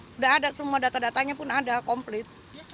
sudah ada semua data datanya pun ada komplit